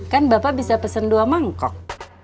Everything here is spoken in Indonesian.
kan bapak bisa pesen dua mangkok